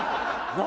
何？